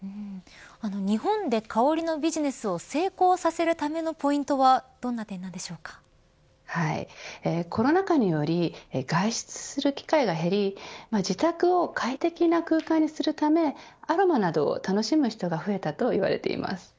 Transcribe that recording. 日本で香りのビジネスを成功させるためのポイントはコロナ禍により外出する機会が減り自宅を快適な空間にするためアロマなどを楽しむ人が増えたと言われています。